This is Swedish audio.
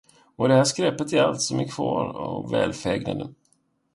Och det här skräpet är allt, som är kvar av välfägnaden.